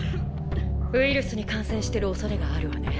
ウイルスに感染してるおそれがあるわね。